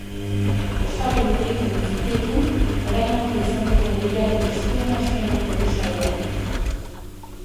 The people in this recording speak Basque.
Osagai horiekin guztiekin, orain arte izan dugun lehiarik estuena eskainiko du saioak.